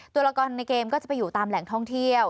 ตัวละครในเกมก็จะไปอยู่ตามแหล่งท่องเที่ยว